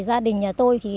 gia đình nhà tôi